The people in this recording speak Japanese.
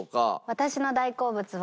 私の大好物は。